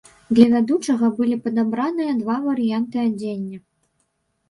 Для вядучага былі падабраныя два варыянты адзення.